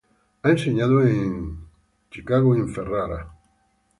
Ha enseñado en Chicago y en Ferrara.